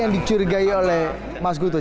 yang dicurigai oleh mas gutut